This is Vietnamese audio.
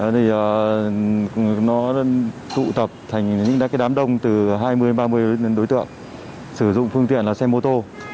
thì nó tụ tập thành những cái đám đông từ hai mươi đến ba mươi đối tượng sử dụng phương tiện là xe mô tô